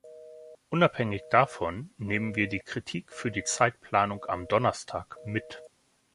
Unabhängig davon nehmen wir die Kritik für die Zeitplanung am Donnerstag mit.